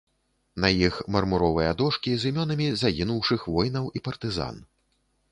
На іх мармуровыя дошкі з імёнамі загінуўшых воінаў і партызан.